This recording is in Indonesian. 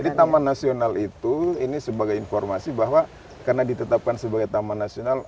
jadi taman nasional itu ini sebagai informasi bahwa karena ditetapkan sebagai taman nasional